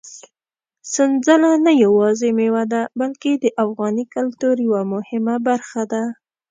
سنځله نه یوازې مېوه ده، بلکې د افغاني کلتور یوه مهمه برخه ده.